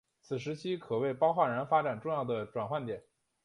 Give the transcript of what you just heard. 此时期可谓包浩斯发展重要的转捩点。